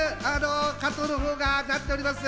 加藤の方がなっております。